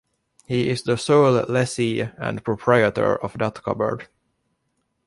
He is the sole lessee and proprietor of that cupboard.